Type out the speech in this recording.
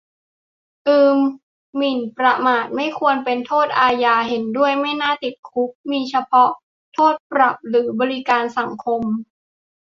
อืม หมิ่นประมาทไม่ควรเป็นโทษอาญา เห็นด้วย ไม่น่าติดคุก มีเฉพาะโทษปรับหรือบริการสังคม